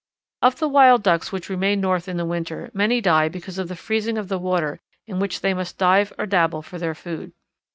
Of the Wild Ducks which remain North in the winter many die because of the freezing of the water in which they must dive or dabble for their food.